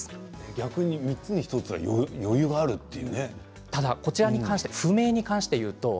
逆に３つに２つは余裕があるというね。